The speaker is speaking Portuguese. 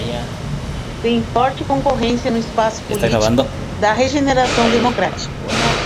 Tem forte concorrência no espaço político da regeneração democrática.